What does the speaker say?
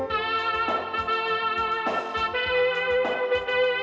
tapi aku harus bintangin sony